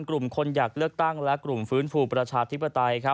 กลุ่มคนอยากเลือกตั้งและกลุ่มฟื้นฟูประชาธิปไตย